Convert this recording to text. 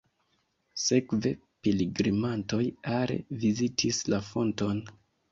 Sekve pilgrimantoj are vizitis la fonton.